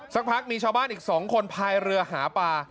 สักพักมีชาวบ้านอีก๒คนพายเรือหาปลา